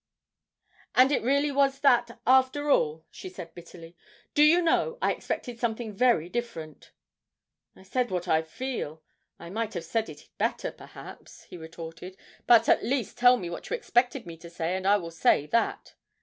'And it really was that, after all!' she said bitterly. 'Do you know, I expected something very different.' 'I said what I feel. I might have said it better perhaps,' he retorted, 'but at least tell me what you expected me to say, and I will say that.'